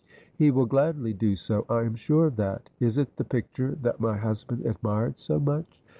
"He will gladly do so, I am sure of that. Is it the picture that my husband admired so much?"